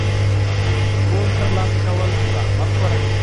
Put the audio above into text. د پوهې ترلاسه کول زحمت غواړي.